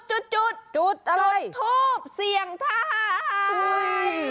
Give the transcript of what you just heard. จุดอะไรจุดทูปเสียงทายอุ้ย